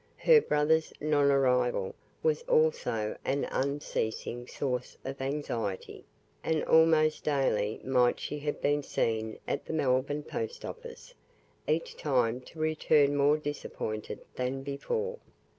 Her brother's non arrival was also an unceasing source of anxiety, and almost daily might she have been seen at the Melbourne Post office, each time to return more disappointed than before.